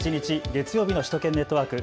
月曜日の首都圏ネットワーク。